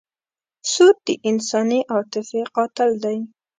سود د انساني عاطفې قاتل دی.